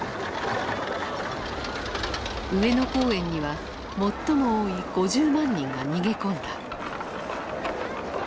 上野公園には最も多い５０万人が逃げ込んだ。